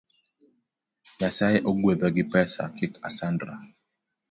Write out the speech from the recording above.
Nyasae ogwedha gi pesa kik asandra